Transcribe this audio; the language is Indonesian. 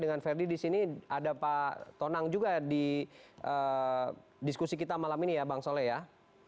dengan verdi di sini ada pak tonang juga di diskusi kita malam ini ya bang soleh ya